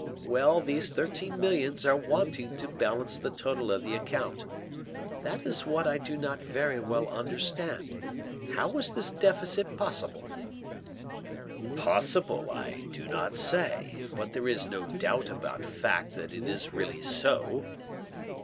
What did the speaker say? Well, these thirteen millions are wanting to balance the total of the account. That is what I do not very well understand. How was this deficit possible?" "Possible I do not say; but there is no doubt about fact that it is really so."